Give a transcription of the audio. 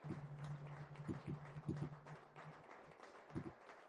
Тус тусын ор дэвсгэр дээр унтсан хойно, мэдээжийн хэрэг хүүхэн хааяа хааяа зөөлөн ханиана.